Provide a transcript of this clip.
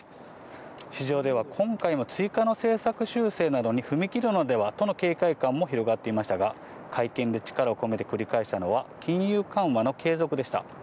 市場では今回も追加の政策修正などに踏み切るのではとの警戒感も広がっていましたが、会見で力を込めて繰り返したのは、金融緩和の継続でした。